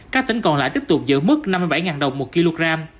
các tỉnh còn lại tiếp tục giữ mức năm mươi bảy đồng một kg